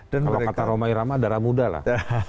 kalau kata romai rama darah muda lah